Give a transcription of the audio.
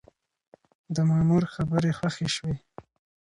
د مامور خبرې خوښې شوې.